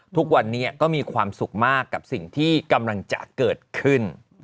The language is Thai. ทุกวันนี้ก็มีความสุขมากกับสิ่งที่กำลังจะเกิดขึ้น